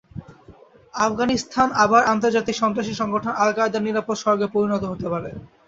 আফগানিস্তান আবার আন্তর্জাতিক সন্ত্রাসী সংগঠন আল-কায়েদার নিরাপদ স্বর্গে পরিণত হতে পারে।